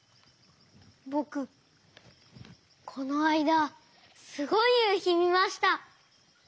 ぼくこのあいだすごいゆうひみました！